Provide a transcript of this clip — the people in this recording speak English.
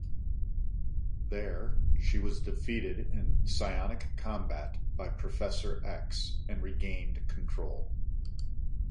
There, she was defeated in psionic combat by Professor X, and regained control.